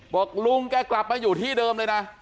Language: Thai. บอกลุงแกกลับมาอยู่ที่เดิมเลยนะ